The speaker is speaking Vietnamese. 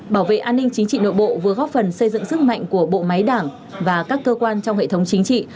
bảo vệ an ninh chính trị nội bộ vừa góp phần xây dựng sức mạnh của bộ máy đảng và các cơ quan trong hệ thống chính trị